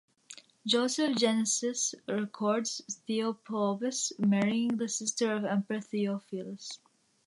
Joseph Genesius records Theophobos marrying the sister of the Emperor Theophilos.